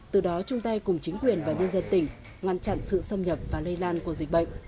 từ đó chung tay cùng chính quyền và nhân dân tỉnh ngăn chặn sự xâm nhập và lây lan của dịch bệnh